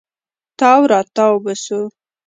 تاو راتاو به سو.